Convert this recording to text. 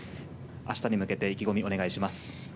明日に向けて、意気込みお願いします。